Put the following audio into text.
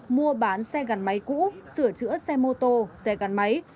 mua bán xe gắn máy cũ sửa chữa xe mô tô xe gắn máy